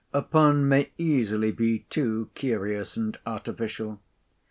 A pun may easily be too curious and artificial.